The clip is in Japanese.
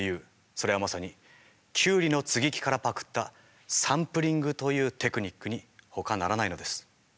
それはまさにキュウリの接ぎ木からパクったサンプリングというテクニックにほかならないのです。